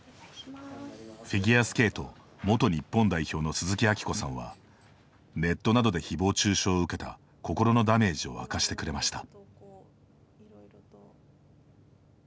フィギュアスケート元日本代表の鈴木明子さんはネットなどでひぼう中傷を受けた心のダメージを明かしてくれました。